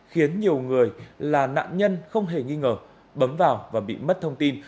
khiến nhiều người là nạn nhân không hề nghi ngờ bấm vào và bị mất thông tin